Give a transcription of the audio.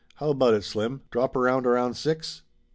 How about it, Slim? Drop around around six?"